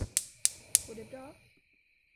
Går det bra?